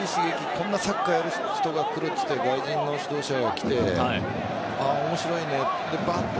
こんなサッカーをやる人が来るといって外国人の指導者が来て面白いねと。